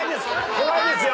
怖いですよ！